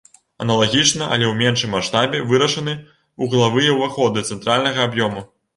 Аналагічна, але ў меншым маштабе, вырашаны вуглавыя ўваходы цэнтральнага аб'ёму.